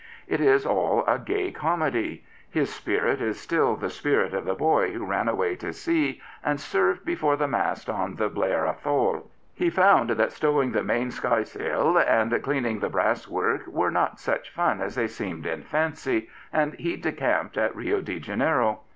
It is all a gay comedy. His spirit is still the spirit of the boy who ran away to sea and served before the mast on the Blair AthoL He found that stowing the main skysail and cleaning the brass work were not such fun as they seemed in fancy, and he decamped at Rio de Janeiro.